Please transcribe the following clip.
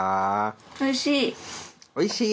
おいしい！